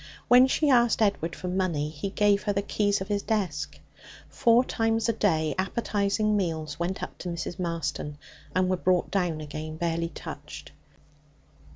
When she asked Edward for money, he gave her the keys of his desk. Four times a day appetizing meals went up to Mrs. Marston, and were brought down again barely touched.